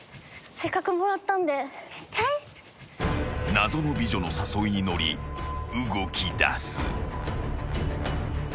［謎の美女の誘いに乗り動きだす］